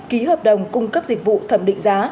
ký hợp đồng cung cấp dịch vụ thẩm định giá